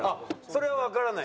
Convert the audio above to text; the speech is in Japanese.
それはわからない。